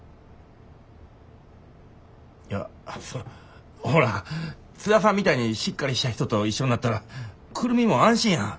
いやそのほら津田さんみたいにしっかりした人と一緒になったら久留美も安心やん。